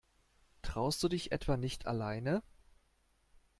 Traust du dich etwa nicht alleine?